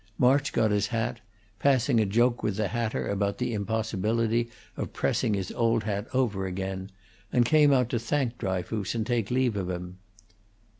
March got his hat, passing a joke with the hatter about the impossibility of pressing his old hat over again, and came out to thank Dryfoos and take leave of him.